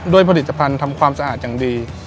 ผลิตภัณฑ์ทำความสะอาดอย่างดี